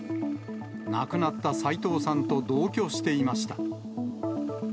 亡くなった斎藤さんと同居していました。